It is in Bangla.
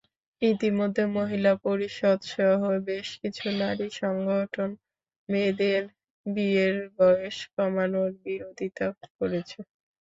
ইতিমধ্যে মহিলা পরিষদসহ বেশ কিছু নারী সংগঠন মেয়েদের বিয়ের বয়স কমানোর বিরোধিতা করেছে।